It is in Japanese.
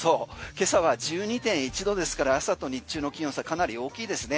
今朝は１２．１度ですから朝と日中の気温差かなり大きいですね。